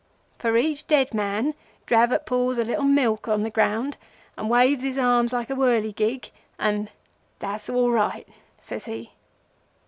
For each dead man Dravot pours a little milk on the ground and waves his arms like a whirligig and, 'That's all right,' says he.